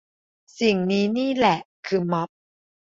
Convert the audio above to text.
สิ่งนี้นี่แหละคือม็อบ